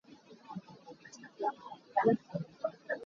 Miṭha a si i mi he an i kawmh tikah an i nuam ngai.